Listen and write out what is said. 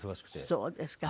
そうですか。